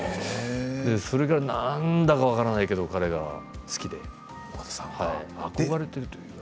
それから、何でか分からないけど彼が好きで憧れているというか。